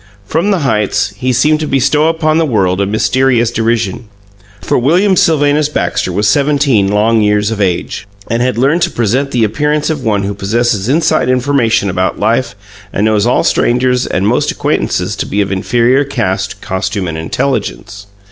From the heights, he seemed to bestow upon the world a mysterious derision for William Sylvanus Baxter was seventeen long years of age, and had learned to present the appearance of one who possesses inside information about life and knows all strangers and most acquaintances to be of inferior caste, costume, and intelligence.